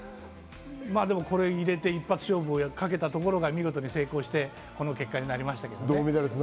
でも、これを入れて、一発勝負をかけたところが見事に成功して、この結果になりましたから。